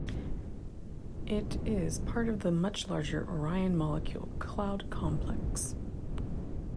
It is part of the much larger Orion Molecular Cloud Complex.